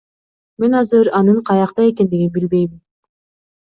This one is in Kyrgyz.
Мен азыр анын каякта экендигин билбейм.